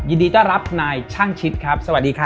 ยินดีต้อนรับนายช่างชิดครับสวัสดีครับ